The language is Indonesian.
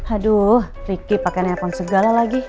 aduh riki pake telepon segala lagi